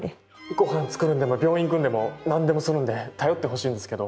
ごはん作るんでも病院行くんでも何でもするんで頼ってほしいんですけど。